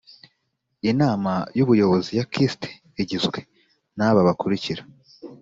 inama y ubuyobozi ya kist igizwe n aba bakurikira